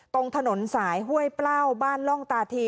ตรงถนนสายห้วยเปล้าบ้านล่องตาที